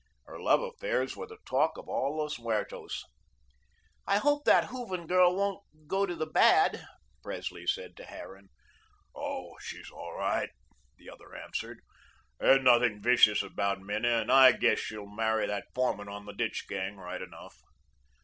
Her love affairs were the talk of all Los Muertos. "I hope that Hooven girl won't go to the bad," Presley said to Harran. "Oh, she's all right," the other answered. "There's nothing vicious about Minna, and I guess she'll marry that foreman on the ditch gang, right enough."